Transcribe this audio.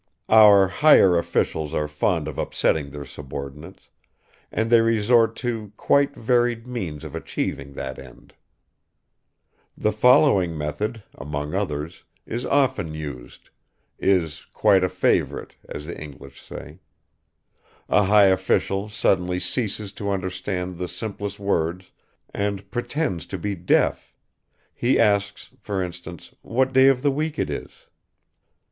Our higher officials are fond of upsetting their subordinates, and they resort to quite varied means of achieving that end. The following method, among others, is often used, "is quite a favorite," as the English say: a high official suddenly ceases to understand the simplest words and pretends to be deaf; he asks, for instance, what day of the week it is.